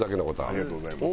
ありがとうございます。